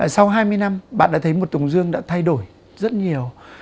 sau hai mươi năm bạn đã thấy một tùng dương đã thay đổi rất nhiều